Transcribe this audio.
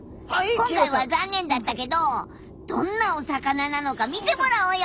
今回は残念だったけどどんなお魚なのか見てもらおうよ！